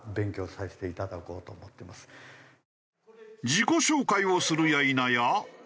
自己紹介をするやいなや。